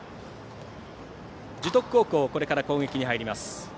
樹徳高校これから攻撃に入ります。